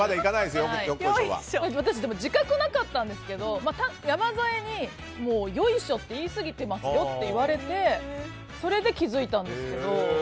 でも自覚なかったんですけど山添によいしょ！って言いすぎてますよって言われてそれで気づいたんですけど。